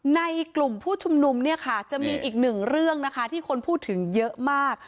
ในกลุ่มผู้ชุมนุมเนี่ยค่ะจะมีอีกหนึ่งเรื่องนะคะที่คนพูดถึงเยอะมาก